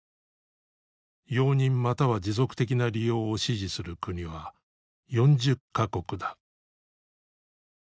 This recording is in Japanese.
容認または持続的な利用を支持する国は４０か国だ。